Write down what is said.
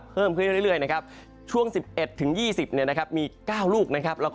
เพิ่มขึ้นเรื่อยช่วง๑๑๒๐มี๙ลูก